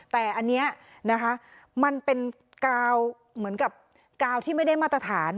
แต่อันนี้นะคะมันเป็นกาวเหมือนกับกาวที่ไม่ได้มาตรฐาน